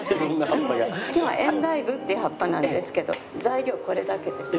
今日はエンダイブっていう葉っぱなんですけど材料これだけです。